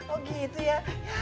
oh gitu ya